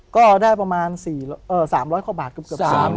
ก็ได้ประมาณ๓๐๐กว่าบาท